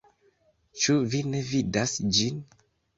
Ĉu vi ne vidas ĝin?